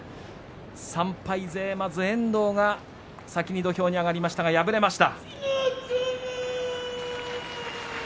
３敗勢、まず遠藤が先に土俵に上がりましたが敗れました。